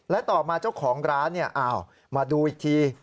และต่อมาเจ้าของร้านมาดูอีกที